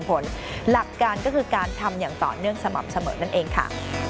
ผลหลักการก็คือการทำอย่างต่อเนื่องสม่ำเสมอนั่นเองค่ะ